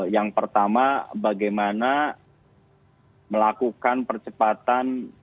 yang pertama bagaimana melakukan percepatan